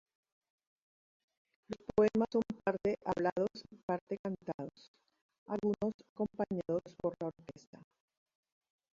Los poemas son parte hablados y parte cantados, algunos acompañados por la orquesta.